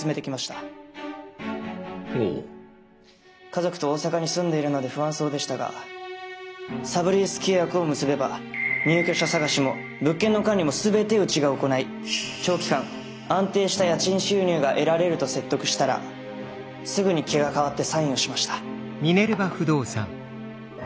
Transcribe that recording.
家族と大阪に住んでいるので不安そうでしたがサブリース契約を結べば入居者探しも物件の管理も全てうちが行い長期間安定した家賃収入が得られると説得したらすぐに気が変わってサインをしました。